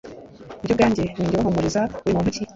jye ubwanjye ni jye ubahumuriza uri muntu ki